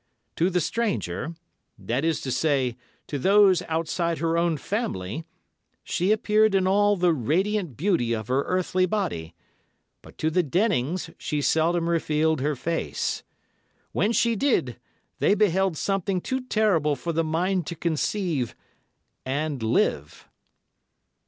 To the stranger, that is to say, to those outside her own family, she appeared in all the radiant beauty of her earthly body, but to the Dennings she seldom revealed her face. When she did, they beheld something too terrible for the mind to conceive—and live.